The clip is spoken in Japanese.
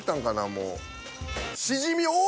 もう。